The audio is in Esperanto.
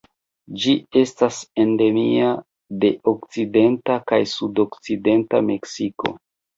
Ĝi estas endemia de okcidenta kaj sudokcidenta Meksiko.